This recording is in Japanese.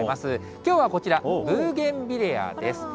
きょうはこちら、ブーゲンビレアです。